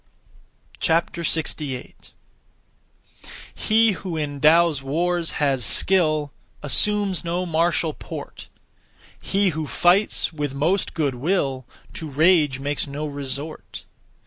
68. He who in (Tao's) wars has skill Assumes no martial port; He who fights with most good will To rage makes no resort.